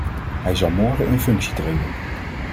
Hij zal morgen in functie treden.